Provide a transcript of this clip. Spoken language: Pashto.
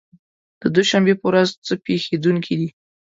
د دوشنبې په ورځ څه پېښېدونکي دي؟